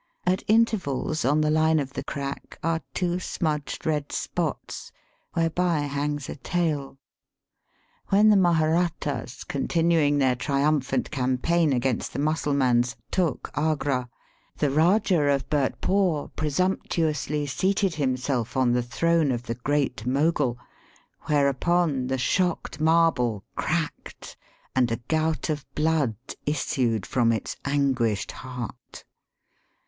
At intervals on the line of the crack are two smudged red spots, whereby hangs a tale. When the Maharattas, continuing their triumphant cam paign against the Mussulmans, took Agra, the Kajah of Burtpore presumptuously seated himself on the throne of the Great Mogul; Digitized by VjOOQIC THE CAPITAL OF THE GREAT MOGUL. 275 whereupon the shocked marble cracked and a gout of blood issued from its anguished heart.